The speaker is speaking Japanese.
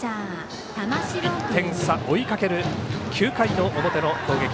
１点差、追いかける９回の表の攻撃。